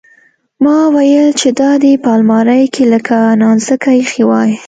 ما ويل چې دا دې په المارۍ کښې لکه نانځکه ايښې واى.